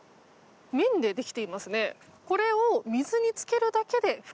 綿でできていますね。